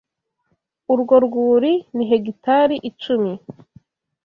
Urwo rwuri ni hegitari icumi.